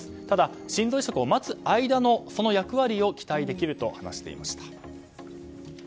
ただ、心臓移植を待つ間の役割を期待できると話していました。